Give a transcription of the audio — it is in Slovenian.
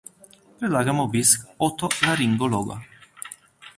Predlagam obisk otolaringologa.